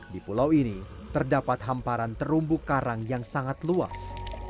di pulau ini terdapat hamparan terumbu karang yang sangat luas